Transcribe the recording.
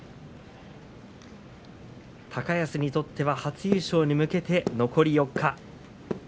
高安にとっては初優勝に向けて残り４日。